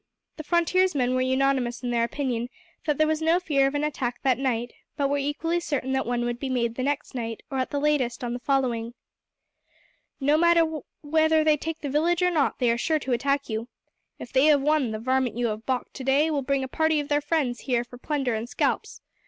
The frontiersmen were unanimous in their opinion that there was no fear of an attack that night, but were equally certain that one would be made the next night, or at the latest on that following. "No matter whether they take the village or not, they are sure to attack you. If they have won, the varmint you have baulked to day will bring a party of their friends here for plunder and scalps.